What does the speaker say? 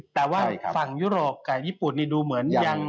แต่ว่าฝั่งยุโรปกับญี่ปุ่นนี่ดูเหมือนยัง